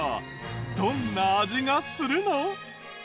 どんな味がするの？